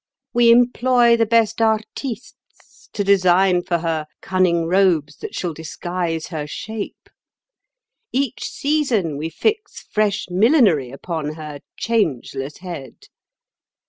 We employ the best artistes to design for her cunning robes that shall disguise her shape. Each season we fix fresh millinery upon her changeless head.